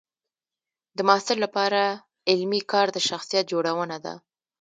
د محصل لپاره علمي کار د شخصیت جوړونه ده.